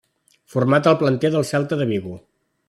Format al planter del Celta de Vigo.